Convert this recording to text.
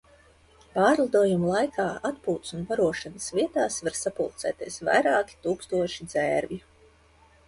Pārlidojuma laikā atpūtas un barošanās vietās var sapulcēties vairāki tūkstoši dzērvju.